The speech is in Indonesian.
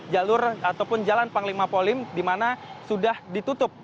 jalur ataupun jalan panglima polim di mana sudah ditutup